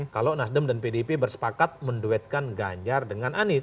kalau nasdem dan pdip bersepakat menduetkan ganjar dengan anies